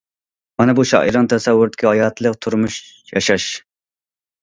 مانا بۇ شائىرنىڭ تەسەۋۋۇرىدىكى ھاياتلىق، تۇرمۇش، ياشاش.